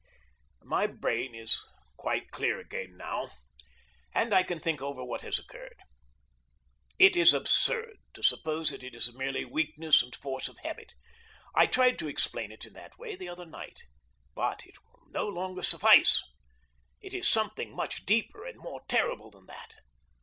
My brain is quite clear again now, and I can think over what has occurred. It is absurd to suppose that it is merely weakness and force of habit. I tried to explain it in that way the other night, but it will no longer suffice. It is something much deeper and more terrible than that.